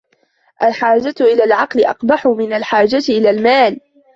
الْحَاجَةُ إلَى الْعَقْلِ أَقْبَحُ مِنْ الْحَاجَةِ إلَى الْمَالِ